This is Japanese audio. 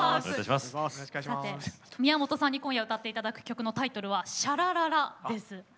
宮本さんに今夜歌っていただく曲のタイトルは「ｓｈａ・ｌａ・ｌａ・ｌａ」です。